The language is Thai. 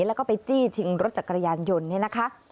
แล้วก็ไปจี้ชิงรถจักรยานยนต์เนี่ยนะคะ